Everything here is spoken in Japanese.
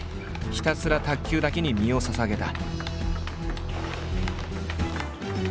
ひたすら卓球だけに身をささげた。